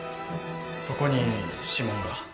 そこに指紋が。